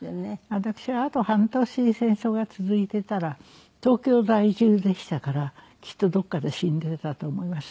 私はあと半年戦争が続いてたら東京在住でしたからきっとどこかで死んでたと思います。